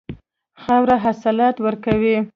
خاوره حاصلات ورکوي.